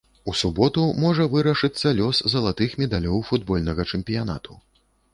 У суботу можа вырашыцца лёс залатых медалёў футбольнага чэмпіянату.